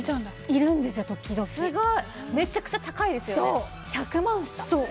いるんですよ時々めちゃくちゃ高いですよねそう！